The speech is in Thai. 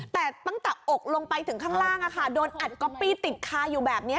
แต่ตั้งแต่อกลงไปถึงข้างล่างโดนอัดก๊อปปี้ติดคาอยู่แบบนี้